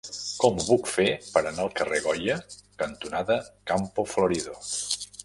Com ho puc fer per anar al carrer Goya cantonada Campo Florido?